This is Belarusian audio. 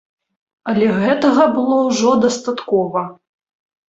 Але гэтага было ўжо дастаткова.